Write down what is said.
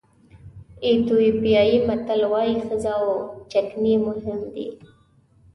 ایتیوپیایي متل وایي ښځه او چکنۍ مهم دي.